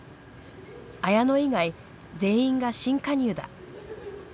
綾乃以外全員が新加入だ。